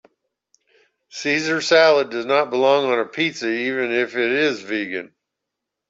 Caesar salad does not belong on a pizza even it it is vegan.